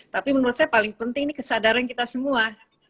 tapi menurut saya paling penting ini kesadaran kita semua